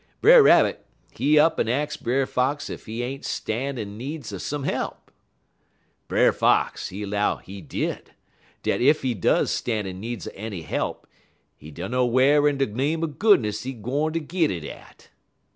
Brer Rabbit, he up en ax Brer Fox ef he ain't stan' in needs er some he'p. Brer Fox, he 'low he did, dat ef he does stan' in needs er any he'p, he dunner whar in de name er goodness he gwine to git it at.